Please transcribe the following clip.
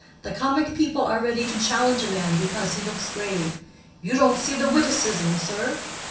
The comic people are ready to challenge a man because he looks grave. 'You don't see the witticism, sir?